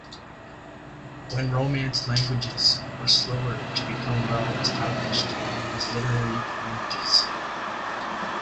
Some Romance languages were slower to become well established as literary languages.